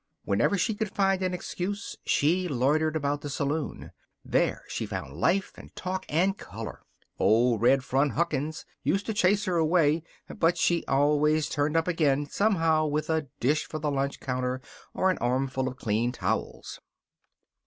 Whenever she could find an excuse she loitered about the saloon. There she found life and talk and color. Old Red Front Huckins used to chase her away, but she always turned up again, somehow, with a dish for the lunch counter or with an armful of clean towels.